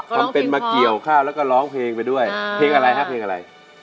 ทำเป็นมาเกี่ยวข้าวแล้วก็ร้องเพลงไปด้วยเพลงอะไรฮะเพลงอะไร